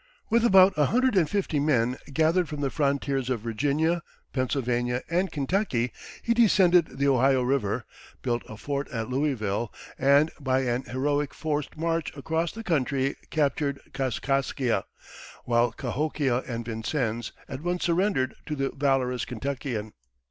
With about a hundred and fifty men gathered from the frontiers of Virginia, Pennsylvania, and Kentucky, he descended the Ohio River, built a fort at Louisville, and by an heroic forced march across the country captured Kaskaskia, while Cahokia and Vincennes at once surrendered to the valorous Kentuckian.